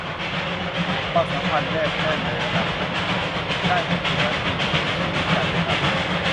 ความสัมพันธ์แนบแน่นในระดับหนึ่ง ได้เป็นตัวจริงในชีวิตกันและกัน